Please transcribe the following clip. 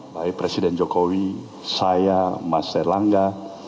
baik presiden jokowi saya mas erlangga